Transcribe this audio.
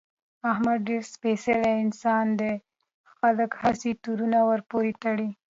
احمد ډېر سپېڅلی انسان دی، خلک هسې تورونه ورپورې تړي.